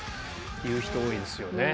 言う人多いですよね。ね。